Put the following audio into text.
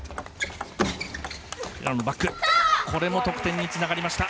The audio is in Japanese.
これも得点につながりました。